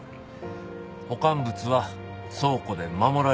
保管物は倉庫で守られる。